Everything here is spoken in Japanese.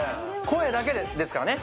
声だけでですからね